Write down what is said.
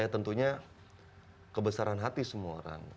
tentunya kebesaran hati semua orang